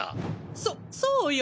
そそうよ！